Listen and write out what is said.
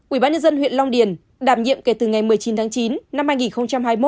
ủy ban nhân dân huyện long điền đảm nhiệm kể từ ngày một mươi chín tháng chín năm hai nghìn hai mươi